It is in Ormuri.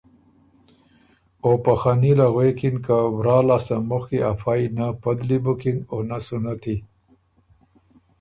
او په خني له غوېکِن که ورا لاسته مُخکی افئ نۀ پدلی بُکِن او نۀ سُنتی،